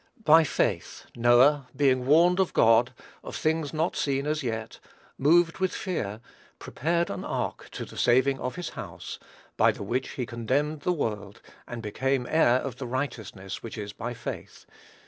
"By faith Noah, being warned of God, of things not seen as yet, moved with fear ([Greek: eulabêtheis]), prepared an ark to the saving of his house; by the which he condemned the world, and became heir of the righteousness which is by faith."